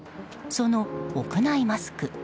その屋内マスク。